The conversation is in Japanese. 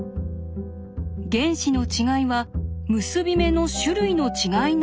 原子の違いは結び目の種類の違いなのではないか。